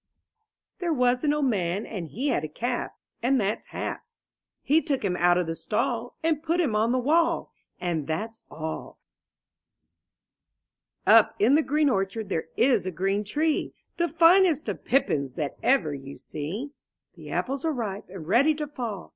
C 'T^HERE was an old man *• And he had a calf, And that's half; He took him out of the stall And put him on the wall. And that's all. T TP in the green orchard there is a green tree, ^^ The finest of pippins that ever you see; The apples are ripe, and ready to fall.